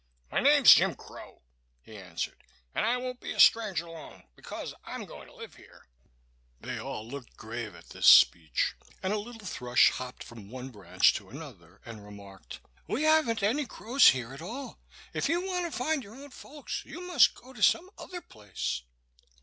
"My name's Jim Crow," he answered, "and I won't be a stranger long, because I'm going to live here." They all looked grave at this speech, and a little thrush hopped from one branch to another, and remarked: "We haven't any crows here at all. If you want to find your own folks you must go to some other place."